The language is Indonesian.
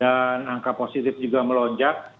dan angka positif juga melonjak